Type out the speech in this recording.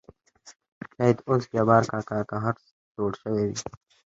شاېد اوس جبار کاکا قهر سوړ شوى وي.